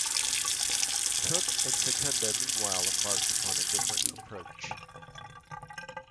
Took and Secunda, meanwhile, embarked upon a different approach.